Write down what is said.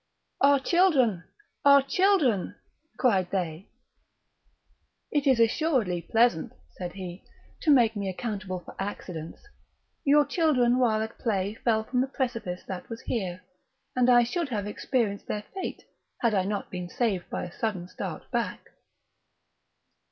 "Our children! our children!" cried they. "It is assuredly pleasant," said he, "to make me accountable for accidents; your children while at play fell from the precipice that was here, and I should have experienced their fate had I not been saved by a sudden start back."